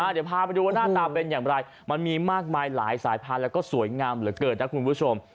เดี๋ยวพาไปดูว่าหน้าตาเป็นอย่างไรมันมีมากมายหลายสายพันธุ์แล้วก็สวยงามเหลือเกินนะคุณผู้ชม